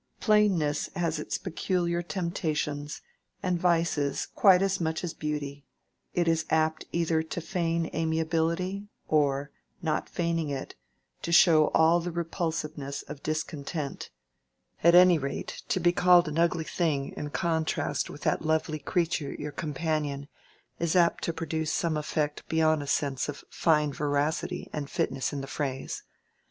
Plainness has its peculiar temptations and vices quite as much as beauty; it is apt either to feign amiability, or, not feigning it, to show all the repulsiveness of discontent: at any rate, to be called an ugly thing in contrast with that lovely creature your companion, is apt to produce some effect beyond a sense of fine veracity and fitness in the phrase.